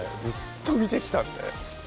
ずっと見てきたんで。